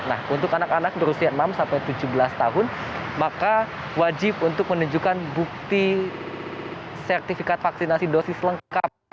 nah untuk anak anak berusia enam sampai tujuh belas tahun maka wajib untuk menunjukkan bukti sertifikat vaksinasi dosis lengkap